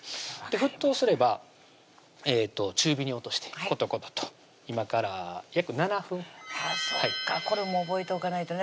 沸騰すれば中火に落としてことことと今から約７分そっかこれも覚えておかないとね